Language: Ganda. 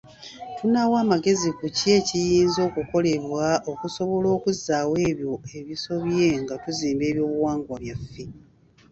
Tunaawa amagezi ku kiki ekiyinza okukolebwa okusobola okuzzaawo ebyo ebisobye nga tuzimba ebyobuwangwa byaffe.